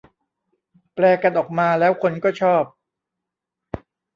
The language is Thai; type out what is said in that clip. แปลกันออกมาแล้วคนก็ชอบ